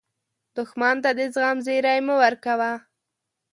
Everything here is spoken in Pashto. دښمن ته د زغم زیری مه ورکوه